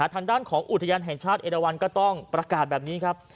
ทางด้านของอุทยานแห่งชาติเอราวันก็ต้องประกาศแบบนี้ครับ